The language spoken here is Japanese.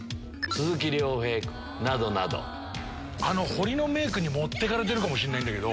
彫りのメイクに持ってかれてるかもしれない。